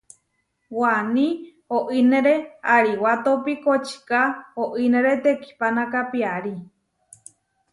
Waní oínere ariwátopi kočiká oínere tekihpánaka piarí.